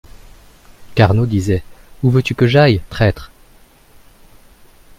Carnot disait: Où veux-tu que j’aille, traître?